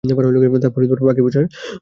তারপর পাখি পােষার শখ হল।